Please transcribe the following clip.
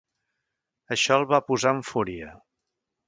Això el va posar en fúria.